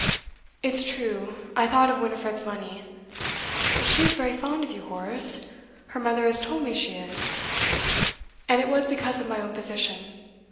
It's true I thought of Winifred's money, but she is very fond of you, Horace; her mother has told me she is. And it was because of my own position.